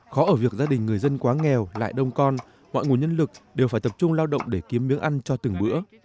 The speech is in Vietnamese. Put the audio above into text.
khó ở việc gia đình người dân quá nghèo lại đông con mọi nguồn nhân lực đều phải tập trung lao động để kiếm miếng ăn cho từng bữa